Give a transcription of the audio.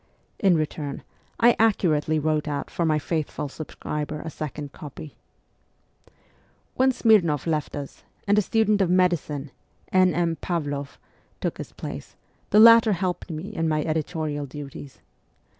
In return, I accurately wrote out for my faithful subscriber a second copy. When Smirnoff left us, and a student of medicine, N. M. Pavloff, took his place, the latter helped me in my editorial duties.